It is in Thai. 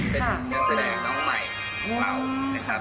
เป็นแกร่งแสดงน้องไหมของเรา